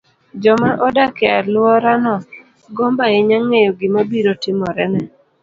joma odak e alworano gombo ahinya ng'eyo gima biro timore ne